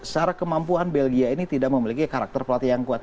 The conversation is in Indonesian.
secara kemampuan belgia ini tidak memiliki karakter pelatih yang kuat